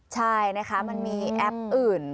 ใช่นะคะมันมีแอปอื่น